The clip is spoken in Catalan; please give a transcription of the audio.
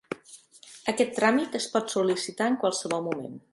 Aquest tràmit es pot sol·licitar en qualsevol moment.